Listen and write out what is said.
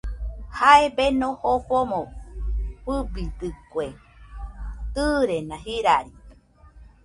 Jae Beno jofomo fɨbidekue tɨrena jirari.